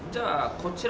こちら？